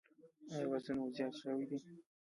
ایا وزن مو زیات شوی دی؟